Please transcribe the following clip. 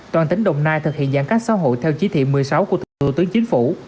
toàn tỉnh đồng nai thực hiện giãn cách xã hội theo chỉ thị một mươi sáu của thủ tướng chính phủ